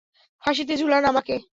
ফাঁসিতে ঝুলান আমাকে।